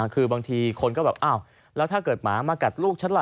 คือบางทีคนก็แบบอ้าวแล้วถ้าเกิดหมามากัดลูกฉันล่ะ